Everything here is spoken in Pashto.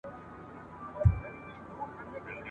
راغلی مه وای د وطن باده !.